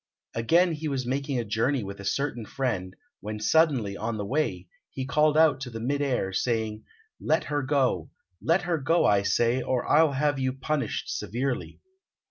Again he was making a journey with a certain friend, when suddenly, on the way, he called out to the mid air, saying, "Let her go, let her go, I say, or I'll have you punished severely."